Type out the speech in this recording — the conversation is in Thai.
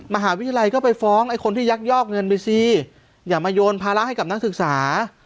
มหาวิทยาลัยก็ไปฟ้องไอ้คนที่ยักยอกเงินไปสิอย่ามาโยนภาระให้กับนักศึกษา